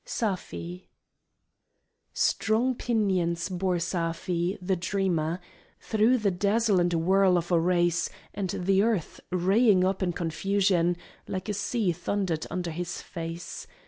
Safi Strong pinions bore Safi, the dreamer, Through the dazzle and whirl of a race, And the earth, raying up in confusion, Like a sea thundered under his face!